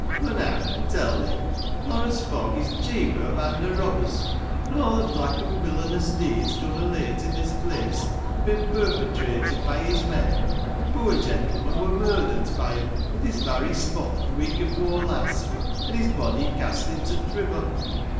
Boh now ey'n teil ye. Lawrence Fogg is chief o' a band o' robbers, an* aw the black an' viUanous deeds done of late i' this place, ha' been perpetrated by his men. A poor gentleman wur murdert by 'em i' this varry spot th' week 'ef ore last, an' his body cast into t' river.